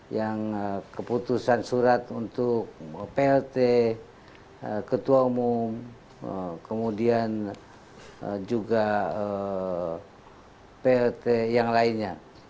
yang keputusan surat untuk plt ketua umum kemudian juga plt yang lainnya